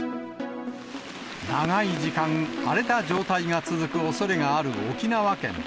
長い時間、荒れた状態が続くおそれがある沖縄県。